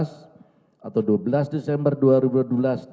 di rumah daerah kelapa hijau jakarta selatan